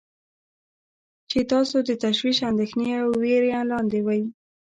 چې تاسو د تشویش، اندیښنې او ویرې لاندې وی.